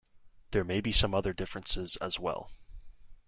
There may be some other differences, as well.